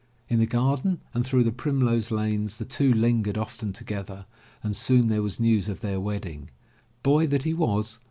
In the garden and through the primrose lanes the two lingered often together and soon there was news of their wedding. Boy that he was.